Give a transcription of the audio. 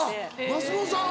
松本さん